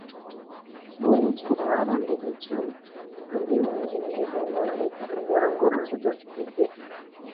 mbuni tandawala ndege John na wengineo wengi ni ndege wanaoipa ngorongoro mvuto wa kipekee